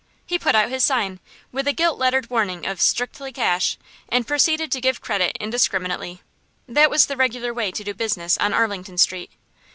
He put out his sign, with a gilt lettered warning of "Strictly Cash," and proceeded to give credit indiscriminately. That was the regular way to do business on Arlington Street.